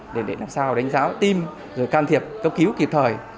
để làm sao đánh giá tim rồi can thiệp cấp cứu kịp thời